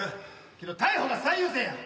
けど逮捕が最優先や。